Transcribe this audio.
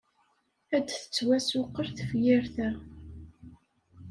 Ad d-tettwassuqqel tefyirt-a.